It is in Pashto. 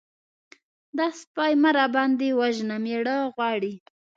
_دا سپۍ مه راباندې وژنه! مېړه غواړي.